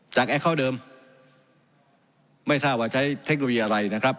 แอคเคานเดิมไม่ทราบว่าใช้เทคโนโลยีอะไรนะครับ